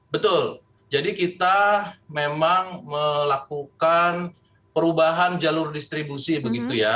betul jadi kita memang melakukan perubahan jalur distribusi begitu ya